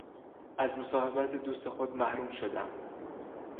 از مصاحبت دوست خود محروم شدم.